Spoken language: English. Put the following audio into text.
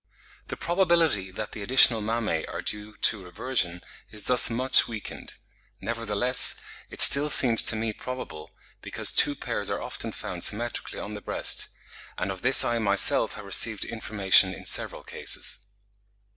The probability that the additional mammae are due to reversion is thus much weakened; nevertheless, it still seems to me probable, because two pairs are often found symmetrically on the breast; and of this I myself have received information in several cases.